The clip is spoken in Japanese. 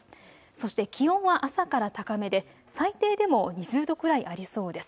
そして気温は朝から高めで最低でも２０度くらいありそうです。